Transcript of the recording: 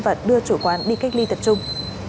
và đưa chủ quán đi cách ly tập trung